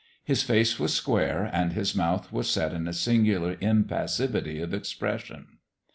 His face was square, and his mouth was set in a singular impassivity of expression.